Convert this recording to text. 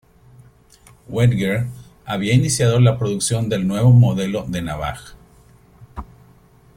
Wenger, había iniciado la producción del nuevo modelo de navaja.